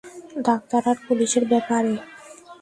Doctor আর পুলিশের ব্যাপারে?